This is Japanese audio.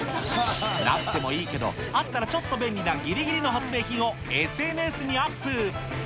なくてもいいけど、あったらちょっと便利なギリギリの発明品をＳＮＳにアップ。